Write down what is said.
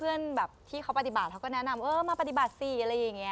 แบบที่เขาปฏิบัติเขาก็แนะนำเออมาปฏิบัติสิอะไรอย่างนี้